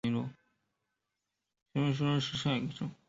台湾萨盲蝽为盲蝽科萨盲蝽属下的一个种。